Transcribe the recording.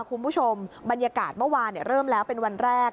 คุณผู้ชมบรรยากาศเมื่อวานเริ่มแล้วเป็นวันแรก